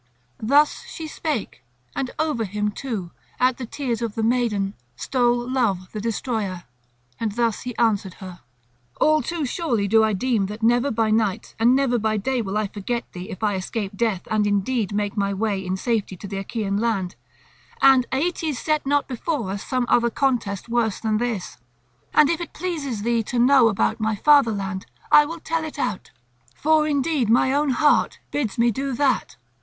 Thus she spake; and over him too, at the tears of the maiden, stole Love the destroyer, and he thus answered her: "All too surely do I deem that never by night and never by day will I forget thee if I escape death and indeed make my way in safety to the Achaean land, and Aeetes set not before us some other contest worse than this. And if it pleases thee to know about my fatherland, I will tell it out; for indeed my own heart bids me do that.